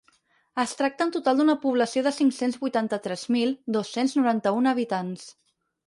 Es tracta en total d’una població de cinc-cents vuitanta-tres mil dos-cents noranta-un habitants.